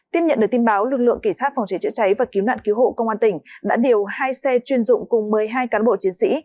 tiếp nhận được tin báo lực lượng kỳ sát phòng cháy chữa cháy và cứu nạn cứu hộ công an tỉnh đã điều hai xe chuyên dụng cùng một mươi hai cán bộ chiến sĩ